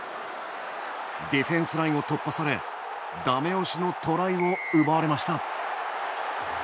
ディフェンスラインを突破されダメ押しのトライを奪われました。